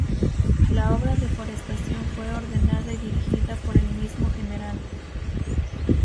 La obra de forestación fue ordenada y dirigida por el mismo Gral.